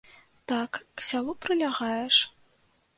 Так к сялу прылягаеш?